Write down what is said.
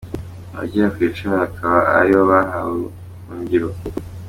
Abagera ku icumi bakaba ari bo bahawe ubuhungiro.